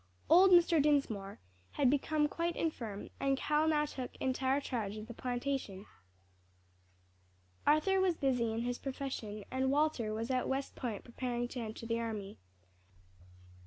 Old Mr. Dinsmore had become quite infirm, and Cal now took entire charge of the plantation. Arthur was busy in his profession, and Walter was at West Point preparing to enter the army.